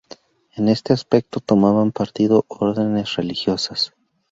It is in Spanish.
En este aspecto tomaban partido órdenes religiosas.